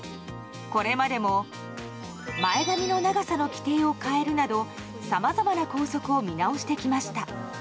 これまでも前髪の長さの規定を変えるなどさまざまな校則を見直してきました。